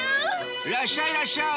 らっしゃいらっしゃい！